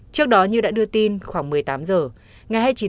trước đó như đã đưa tin khoảng một mươi tám giờ